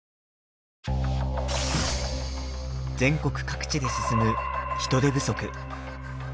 全国各地で進む人手不足。